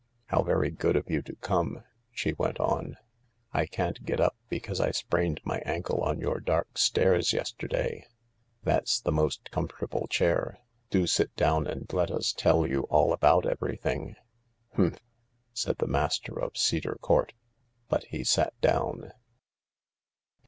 " How very good of you to come," she went on. " I can't get up because I sprained my ankle on your dark stairs yesterday. That's the most comfortable chair. Do sit down and let us tell you all about everything." " Humph," said the master of Cedar Court. But he sat down.